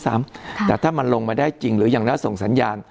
แต่ถ้ามันลงมาได้จริงหรือยังแล้วส่งสัญญาณ